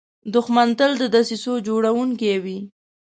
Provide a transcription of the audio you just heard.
دښمن تل د دسیسو جوړونکی وي